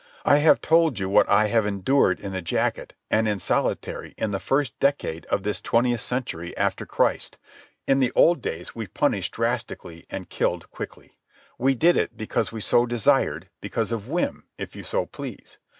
I have told you what I have endured in the jacket and in solitary in the first decade of this twentieth century after Christ. In the old days we punished drastically and killed quickly. We did it because we so desired, because of whim, if you so please.